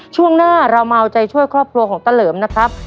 ช่วงหน้าเรามาเอาใจช่วยครอบครัวของตะเหลิมนะครับ